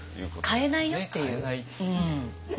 変えないっていう。